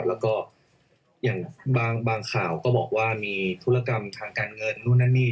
แล้วก็อย่างบางข่าวก็บอกว่ามีธุรกรรมทางการเงินนู่นนั่นนี่